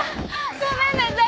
ごめんなさい。